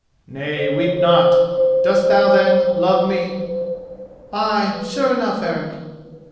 "Nay, weep not. Dost thou, then, love me?" "Ay, sure enough, Eric."